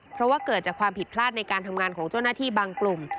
เพราะว่าเกิดจากความผิดพลาดในการทำงานของเจ้าหน้าที่บางกลุ่ม